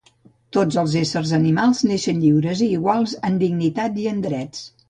Tots els éssers animals neixen lliures i iguals en dignitat i en drets.